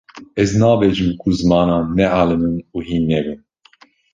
ez nabêjim ku zimanan nealimin û hîn nebin